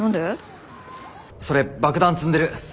それ爆弾積んでる。